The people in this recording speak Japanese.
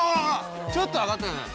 ちょっと上がったよね。